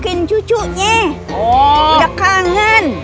neneknya sudah kenceng